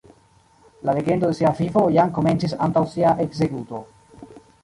La legendo de sia vivo jam komencis antaŭ sia ekzekuto.